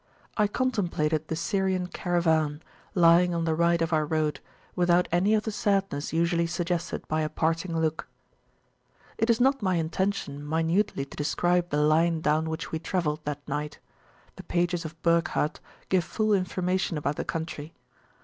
I contemplated the Syrian Caravan, lying on the right of our road, without any of the sadness usually suggested by a parting look. It is not my intention minutely to describe the line down which we travelled that night: the pages of Burckhardt give full information about the country.